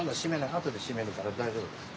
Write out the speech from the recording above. あとで閉めるから大丈夫ですよ。